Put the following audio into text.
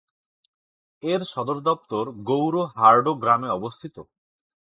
এর সদর দপ্তর গৌড় হার্ডো গ্রামে অবস্থিত।